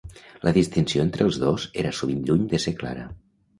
La distinció entre el dos era sovint lluny de ser clara.